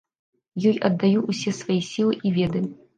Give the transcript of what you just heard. Ёй аддаю ўсе свае сілы і веды.